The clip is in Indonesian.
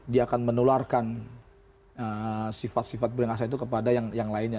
dia akan menularkan sifat sifat beringasan itu kepada yang lainnya